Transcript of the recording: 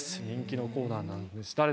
人気のコーナーなんです。